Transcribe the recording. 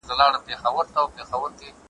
پر ټولۍ باندي راغلی یې اجل دی ,